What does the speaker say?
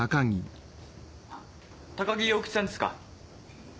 高木陽吉さんですか？